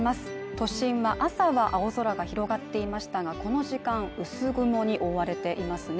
都心は朝は青空が広がっていましたがこの時間、薄雲に覆われていますね